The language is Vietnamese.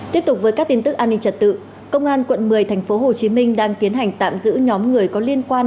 tiếp tục với các tin tức an ninh trật tự công an quận một mươi tp hcm đang tiến hành tạm giữ nhóm người có liên quan